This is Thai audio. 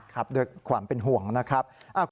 ครับด้วยความเป็นห่วงนะครับ